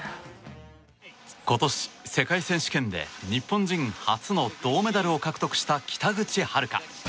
今年、世界選手権で日本人初の銅メダルを獲得した北口榛花。